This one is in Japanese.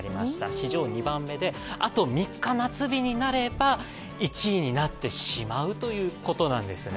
史上２番目で、あと３日夏日になれば１位になってしまうということなんですね。